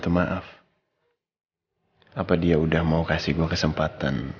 terima kasih gue kesempatan